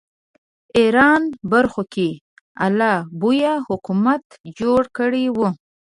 ایران برخو کې آل بویه حکومتونه جوړ کړي وو